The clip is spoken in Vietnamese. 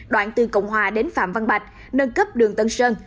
đoạn từ cộng hòa đến phạm văn bạch nâng cấp đường tân sơn